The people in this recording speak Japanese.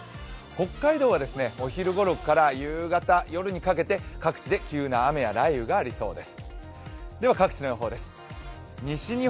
北海道はお昼ごろから夕方、夜にかけて各地で急な雨や雷雨がありそうです。